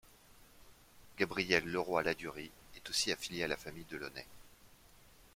Gabriel Le Roy Ladurie est aussi affilié à la famille Delauney.